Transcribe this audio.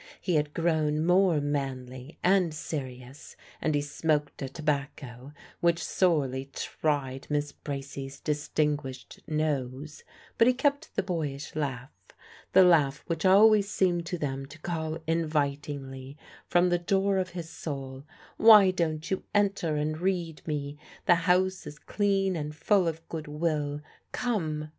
He had grown more manly and serious, and he smoked a tobacco which sorely tried Miss Bracy's distinguished nose; but he kept the boyish laugh the laugh which always seemed to them to call invitingly from the door of his soul, "Why don't you enter and read me? The house is clean and full of goodwill Come!"